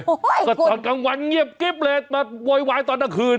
เฮ้ยก็ตอนกลางวันเงียบเก็บเลยโวยวายตอนนาคืน